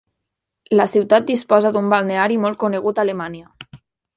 La ciutat disposa d'un Balneari molt conegut a Alemanya.